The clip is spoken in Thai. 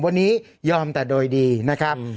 วันนี้ยอมแต่โดยดีนะครับ